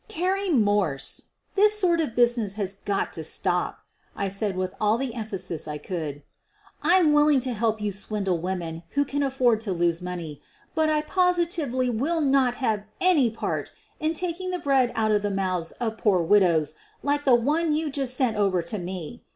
"Carrie Morse, this sort of business has got to stop," I said with all the emphasis I could. "I'm willing to help you swindle women who can afford to lose the money, but I positively will not have any part in taking the bread out of the mouths of poor widows like the one you just sent over to see me.